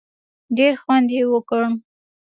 ډېر خوند یې وکړ.